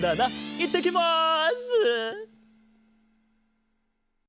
いってきます！